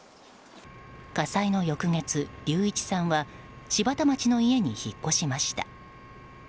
火災の翌月隆一さんは柴田町の家に引っ越しました。